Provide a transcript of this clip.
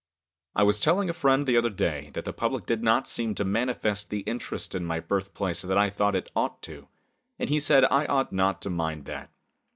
I was telling a friend the other day that the public did not seem to manifest the interest in my birthplace that I thought it ought to, and he said I ought not to mind that.